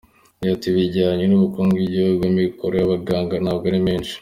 Yagize ati″Bijyanye n’ubukungu bw’igihugu, amikoro y’abaganga ntabwo ari menshi.